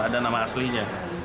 ada nama aslinya